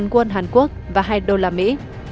một quân hàn quốc và hai đô la mỹ